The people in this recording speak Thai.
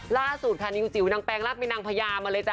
ล่าสุดค่ะนิวจิ๋วนางแปงรับมีนางพญามาเลยจ้